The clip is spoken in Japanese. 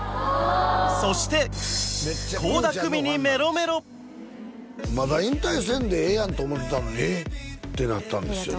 そして倖田來未にメロメロまだ引退せんでええやんと思うてたのに「えっ！？」ってなったんですよね